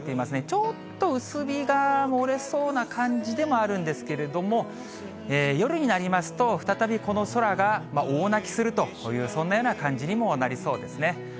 ちょっと薄日が漏れそうな感じでもあるんですけれども、夜になりますと、再びこの空が大泣きするという、そんなような感じにもなりそうですね。